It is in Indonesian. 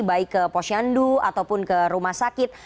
baik ke posyandu ataupun ke rumah sakit